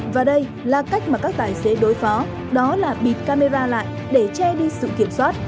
và đây là cách mà các tài xế đối phó đó là bịt camera lại để che đi sự kiểm soát